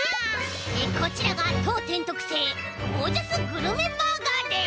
こちらがとうてんとくせいゴージャスグルメバーガーです！